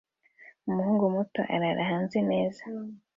Umuhungu muto arara hasi neza